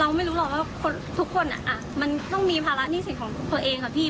ไม่รู้หรอกว่าทุกคนมันต้องมีภาระหนี้สินของตัวเองค่ะพี่